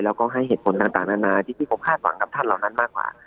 แล้วก็ให้เหตุผลต่างนานาที่ผมคาดหวังกับท่านเหล่านั้นมากกว่า